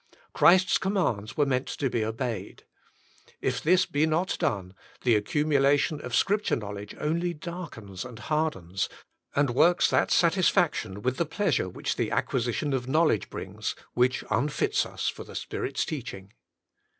Christ's commands were meant to be obeyed. If this be not done, the accumulation of Scripture knowledge only darkens and hardens, and works that satisfaction with the pleasure which the acquisition of knowledge brings, which unfits us for the Spirit's teaching.